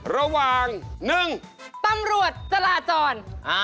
ระหว่าง๑ตำรวจจราจร